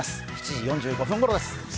７時４５分ごろです。